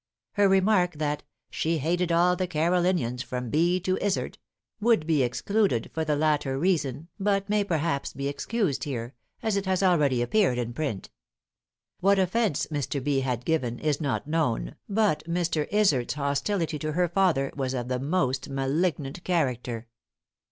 Her remark that "she hated all the Carolinians from Bee to Izard," would be excluded for the latter reason, but may perhaps be excused here, as it has already appeared in print. What offence Mr. Bee had given, is not known, but Mr. Izard's hostility to her father was of the most malignant character.